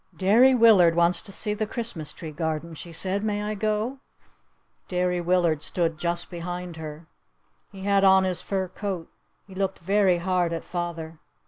"Derry Willard wants to see the Christmas tree garden," she said. "May I go?" Derry Willard stood just behind her. He had on his fur coat. He looked very hard at father.